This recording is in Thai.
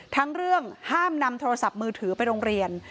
ทั้งเรื่องห้ามนำโทรศัพท์มือถือไปโรงเรียน